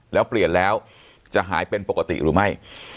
แล้วเปลี่ยนแล้วจะหายเป็นปกติหรือไม่